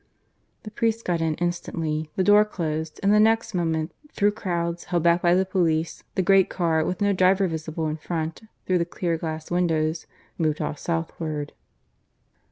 The priest got in instantly; the door closed; and the next moment, through crowds, held back by the police, the great car, with no driver visible in front through the clear glass windows, moved off southward.